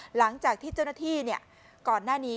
หลังจากที่เจ้าหน้าที่ก่อนหน้านี้